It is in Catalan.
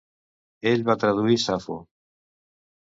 Ell va traduir Safo.